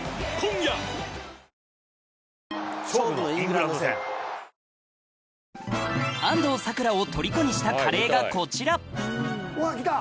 果たして安藤サクラをとりこにしたがこちらうわ来た！